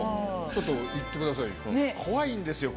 ちょっと行ってくださいよ。